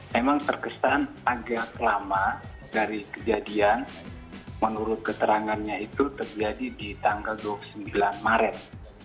memang terkesan agak lama dari kejadian menurut keterangannya itu terjadi di tanggal dua puluh sembilan maret